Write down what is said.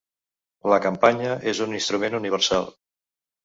La campana és un instrument universal.